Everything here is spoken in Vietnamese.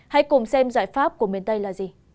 hãy cùng xem giải pháp của miền tây là gì